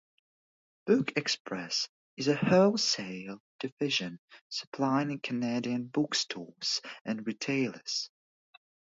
BookExpress is a wholesale division supplying Canadian bookstores and retailers.